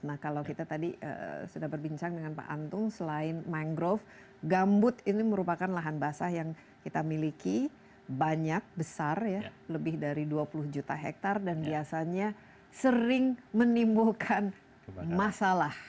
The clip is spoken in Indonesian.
nah kalau kita tadi sudah berbincang dengan pak antung selain mangrove gambut ini merupakan lahan basah yang kita miliki banyak besar ya lebih dari dua puluh juta hektare dan biasanya sering menimbulkan masalah